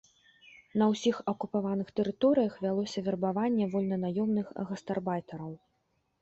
На ўсіх акупаваных тэрыторыях вялося вербаванне вольнанаёмных гастарбайтараў.